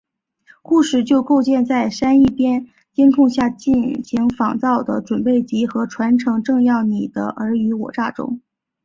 故事就建构在珊一边在监控下进行仿造的准备及和传承派政要的尔虞我诈中。